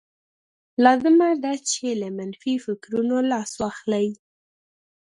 لازمه ده چې له منفي فکرونو لاس واخلئ